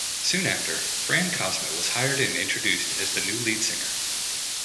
Soon after, Fran Cosmo was hired and introduced as the new lead singer.